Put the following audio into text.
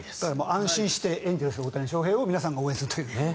安心してエンゼルスで大谷翔平を皆さんが応援するというね。